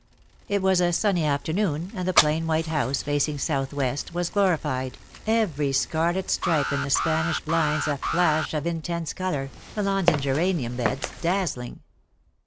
It was a sunny afternoon, and the plain white house facing south west was glorified, every scarlet stripe in the Spanish blinds a flash of intense colour, the lawns and geranium beds dazzling.